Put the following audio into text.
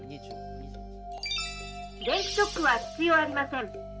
「電気ショックは必要ありません」。